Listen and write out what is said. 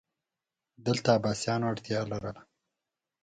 دلته عباسیانو اړتیا لرله